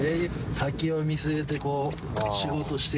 先を見据えて仕事して。